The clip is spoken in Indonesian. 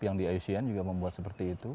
yang di icn juga membuat seperti itu